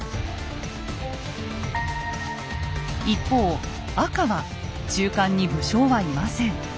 一方赤は中間に武将はいません。